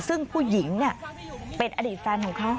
ซึ่งผู้หญิงเนี่ยเป็นอดีตแฟนของเขา